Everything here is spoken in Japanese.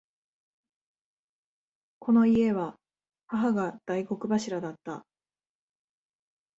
この家は母が大黒柱だった。